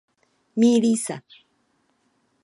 Mýlí se.